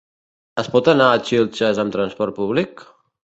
Es pot anar a Xilxes amb transport públic?